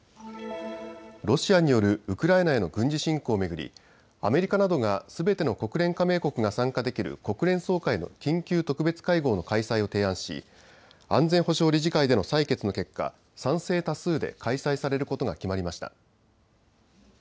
ロシアによるウクライナへの軍事侵攻を巡りアメリカなどがすべての国連加盟国が参加できる国連総会の緊急特別会合の開催を提案し安全保障理事会での採決の結果、賛成多数で開催されることが決まりました。